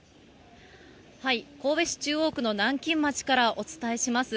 神戸市中央区の南京町からお伝えします。